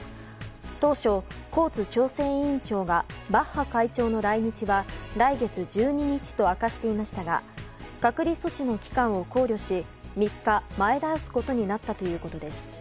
当初、コーツ調整委員長がバッハ会長の来日は来月１２日と明かしていましたが隔離措置の期間を考慮し３日、前倒すことになったということです。